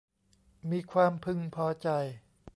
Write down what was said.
มีความพึงพอใจ